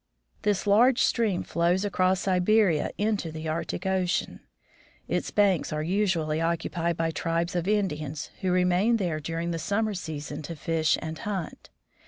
This large stream flows across Siberia into the Arctic ocean. Its banks are usually occupied by tribes of Indians, who remain there during the summer season to fish and hunt.